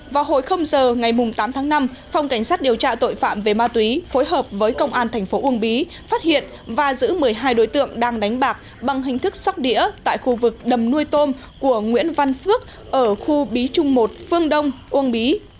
vào hồi giờ ngày tám tháng năm phòng cảnh sát điều tra tội phạm về ma túy phối hợp với công an thành phố uông bí phát hiện và giữ một mươi hai đối tượng đang đánh bạc bằng hình thức sóc đĩa tại khu vực đầm nuôi tôm của nguyễn văn phước ở khu bí trung một phương đông uông bí